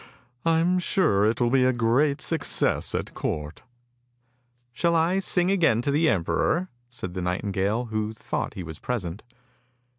I am sure it will be a great success at court! "" Shall I sing again to the emperor? " said the nightingale, who thought he was present.